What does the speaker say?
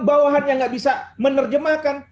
bawahannya nggak bisa menerjemahkan